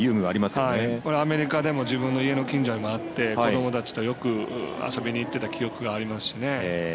アメリカでも自分の家の近所にもあって子どもたちとよく遊びに行ってた記憶がありますね。